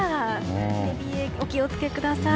寝冷え、お気を付けください。